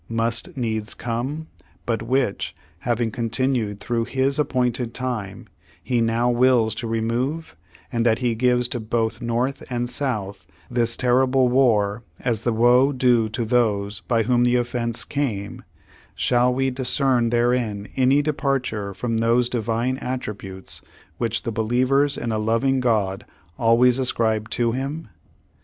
ust needs come, but which, having continued through His appointed time, He now wills to remove, and that He gives to both North and South this terrible war as the woe due to those by whom the offense came, shall we discern therein any departure from those Divine attributes which the believers in a loving God always ascribe to him?